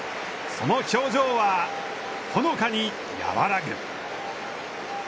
その表情はほのかに和らぐ。